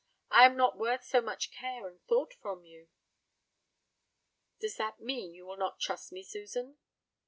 I am not worth so much care and thought from you." "Does that mean that you will not trust me, Susan?"